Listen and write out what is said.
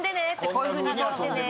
こういうふうに撮ってね。